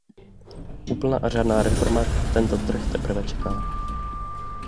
Úplná a řádná reforma tento trh teprve čeká.